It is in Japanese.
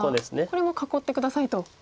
これも「囲って下さい」と。